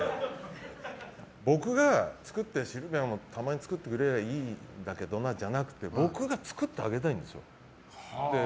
僕が作ってシルビアもたまに作ってくれればいいんだけどなじゃなくて僕が作ってあげたいんですよ。